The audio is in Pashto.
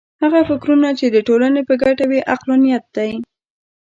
هغه فکرونه چې د ټولنې په ګټه وي عقلانیت دی.